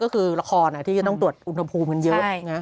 ก็คือละครที่จะต้องตรวจอุณหภูมิกันเยอะ